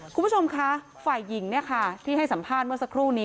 คุณผู้ชมคะฝ่ายหญิงที่ให้สัมภาษณ์เมื่อสักครู่นี้